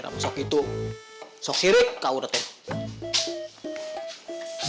so jojo dulu tak udah burung